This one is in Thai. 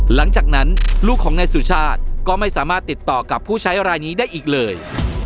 หลังจากนั้นลูกของนายสุชาติก็ไม่สามารถติดต่อกับผู้ใช้รายนี้ได้อีกเลย